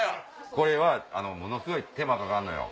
これはものすごい手間かかんのよ。